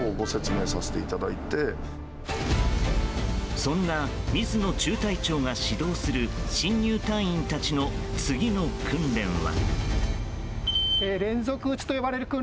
そんな水野中隊長が指導する新入隊員たちの次の訓練は。